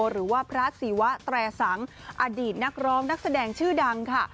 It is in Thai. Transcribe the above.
หรือว่าพระศิวะแตรสังอดีตนักร้องนักแสดงชื่อดังค่ะ